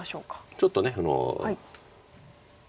ちょっと。